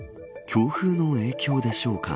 強風の影響でしょうか。